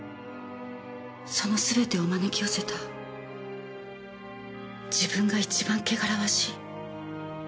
そのすべてを招き寄せた自分が一番汚らわしい。